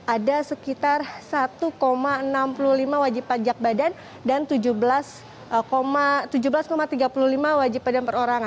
ada sekitar satu enam puluh lima wajib pajak badan dan tujuh belas tiga puluh lima wajib badan perorangan